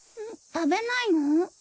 食べないの？